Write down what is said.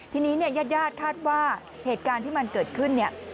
ทีนี้เนี่ยญาติญาติคาดว่าเหตุการณ์ที่มันเกิดขึ้นเนี่ย